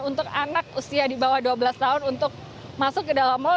untuk anak usia di bawah dua belas tahun untuk masuk ke dalam mall